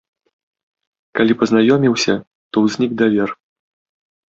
Калі пазнаёміўся, то ўзнік давер.